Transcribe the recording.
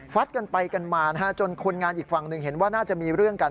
กันไปกันมานะฮะจนคนงานอีกฝั่งหนึ่งเห็นว่าน่าจะมีเรื่องกัน